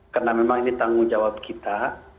karena memang ini tanggung jawab kita